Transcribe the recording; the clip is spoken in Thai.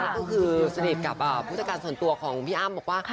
ก็คือสนิทกับผู้จัดการส่วนตัวของพี่อ้ำบอกว่า